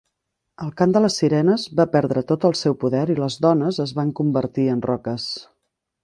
El cant de les sirenes va perdre tot el seu poder i les dones es van convertir en roques.